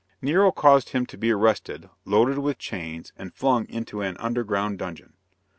Nero caused him to be arrested, loaded with chains, and flung into an underground dungeon.